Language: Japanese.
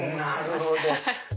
なるほど。